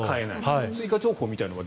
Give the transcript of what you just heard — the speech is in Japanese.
追加情報みたいなのは？